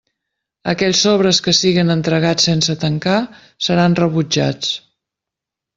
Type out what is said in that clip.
Aquells sobres que siguen entregats sense tancar seran rebutjats.